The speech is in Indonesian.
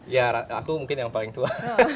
ya aku mungkin yang paling tua